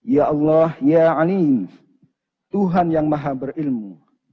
ya allah ya alim tuhan yang maha berilmu